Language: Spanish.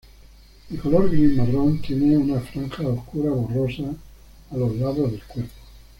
De color gris-marrón, tiene unas franjas oscuras borrosas a los lados del cuerpo.